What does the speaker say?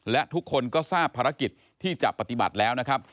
และทุกคนก็ทราบภารกิจที่จะปฏิบัติแล้วนะครับ